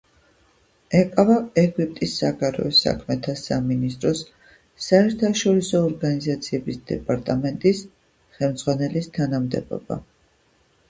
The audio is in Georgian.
ეკავა ეგვიპტის საგარეო საქმეთა სამინისტროს საერთაშორისო ორგანიზაციების დეპარტამენტის ხელმძღვანელის თანამდებობა.